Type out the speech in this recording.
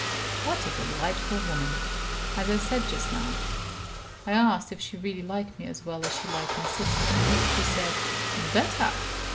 What a delightful woman! as I said just now. I asked if she really liked me as well as she liked my sister. She said: "Better."